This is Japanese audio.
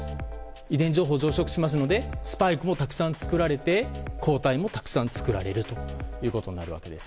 遺伝情報を増殖させるのでスパイクもたくさん作られて抗体もたくさん作られるということになるわけです。